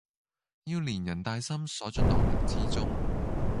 要連人帶心鎖進牢獄之中！